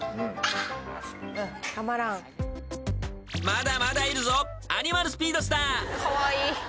［まだまだいるぞアニマルスピードスター］